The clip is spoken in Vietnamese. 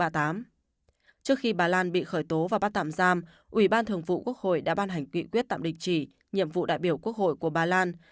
trước khi bà lan bị khởi tố và bắt tạm giam ủy ban thường vụ quốc hội đã ban hành nghị quyết tạm đình chỉ nhiệm vụ đại biểu quốc hội của bà lan